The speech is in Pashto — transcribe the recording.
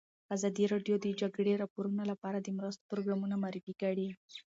ازادي راډیو د د جګړې راپورونه لپاره د مرستو پروګرامونه معرفي کړي.